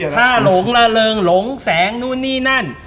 ถ้าหลงละเริงหลงแสงนู่นนี่นั่น